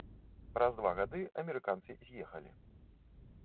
Праз два гады амерыканцы з'ехалі.